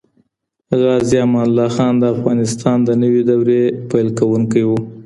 غازي امان الله خان د افغانستان د نوي دور پیل کوونکی وو.